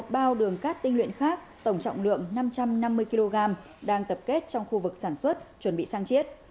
một mươi một bao đường cắt tinh luyện khác tổng trọng lượng năm trăm năm mươi kg đang tập kết trong khu vực sản xuất chuẩn bị sang chiết